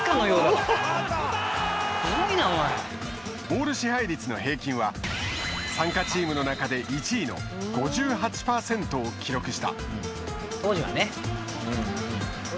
ボール支配率の平均は参加チームの中で１位の５８％を記録した。